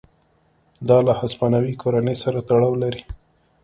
دا له هسپانوي کورنۍ سره تړاو لري.